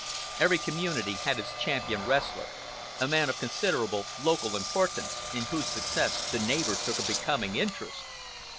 Every community had its champion wrestler, a man of considerable local importance, in whose success the neighbors took a becoming interest.